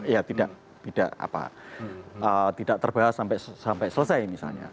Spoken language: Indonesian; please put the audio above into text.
ya tidak terbahas sampai selesai misalnya